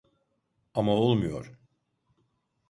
Ama olmuyor